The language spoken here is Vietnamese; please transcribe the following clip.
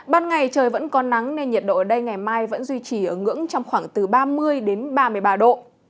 ban ngày trời vẫn có nắng nên nhiệt độ ở đây ngày mai vẫn duy trì ở ngưỡng trong khoảng từ ba mươi đến ba mươi ba độ